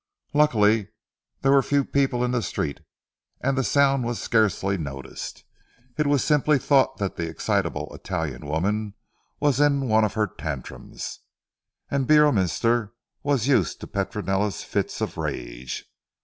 Luckily there were few people in the street, and the sound was scarcely noticed; it was simply thought that the excitable Italian woman was in one of her tantrums. And Beorminster was used to Petronella's fits of rage.